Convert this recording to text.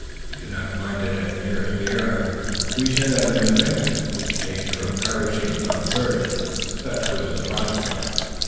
If we did not find it at the nearer sierra, we should have an adventure: the danger of perishing from thirst. Such was the prospect.